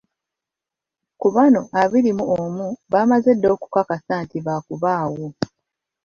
Ku bano abiri mu omu baamaze dda okukakasa nti baakubaawo.